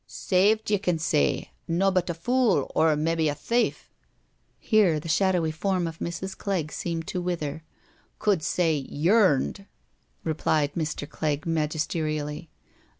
Saved ye can say— nobbut a fool, or mebbe a thief "—here the shadowy form of Mrs. Clegg seemed to wither —" could say yearned,'* replied Mr. Clegg magisterially.